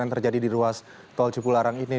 yang terjadi di ruas tol cipularang ini